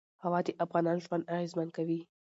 هوا د افغانانو ژوند اغېزمن کوي.